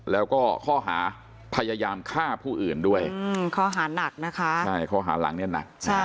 แล้วก็ข้อหาพยายามฆ่าผู้อื่นด้วยข้อหาหลังนี้หนัก